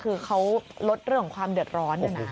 คือเขารดเรื่องความเดือดร้อน